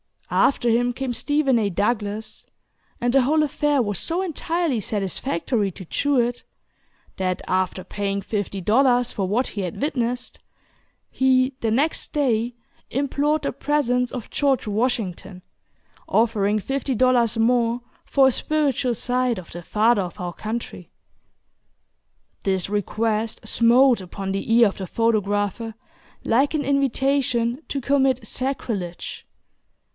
After him came Stephen A. Douglas, and the whole affair was so entirely satisfactory to Jewett, that, after paying fifty dollars for what he had witnessed, he, the next day, implored the presence of George Washington, offering fifty dollars more for a "spiritual" sight of the "Father of our Country." This request smote upon the ear of the photographer like an invitation to commit sacrilege.